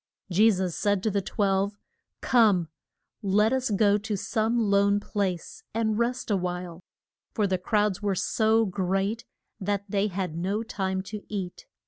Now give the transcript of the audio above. Je sus said to the twelve, Come, let us go to some lone place and rest a while. For the crowds were so great that they had no time to eat.